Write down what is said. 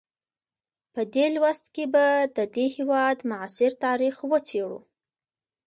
په دې لوست کې به د دې هېواد معاصر تاریخ وڅېړو.